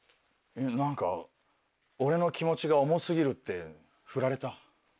何か俺の気持ちが重過ぎるってフラれた。